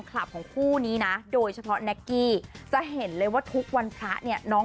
อย่างนั้นอย่างนั้นเดี๋ยวผมโดดลงไปเองแล้วนี่ทีนี้